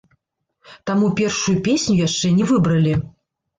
Таму першую песню яшчэ не выбралі.